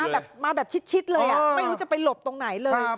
แบบมาแบบชิดเลยไม่รู้จะไปหลบตรงไหนเลย